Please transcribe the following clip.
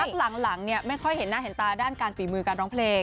หลังเนี่ยไม่ค่อยเห็นหน้าเห็นตาด้านการฝีมือการร้องเพลง